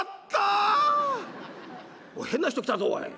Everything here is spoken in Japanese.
「おい変な人来たぞ。